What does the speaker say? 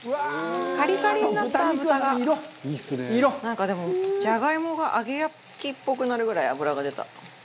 なんかでもじゃがいもが揚げ焼きっぽくなるぐらい脂が出た。